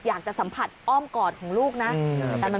อยากจะสัมผัสอ้อมกอดของลูกนะแต่มันไม่มีตัวสาว